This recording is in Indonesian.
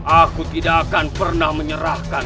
aku tidak akan pernah menyerahkan